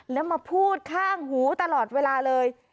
แล้วมาพูดข้างหูตลอดเวลาเลย